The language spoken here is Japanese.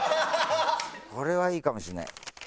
これはいいかもしれない。